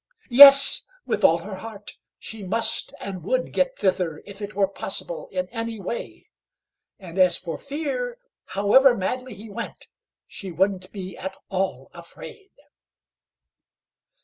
Yes! with all her heart; she must and would get thither if it were possible in any way; and as for fear, however madly he went, she wouldn't be at all afraid.